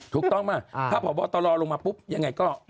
ถ้าผอบบตะลอลงมาปุ๊บยังไงก็